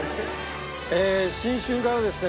新春からですね